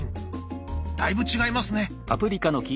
だいぶ違いますね。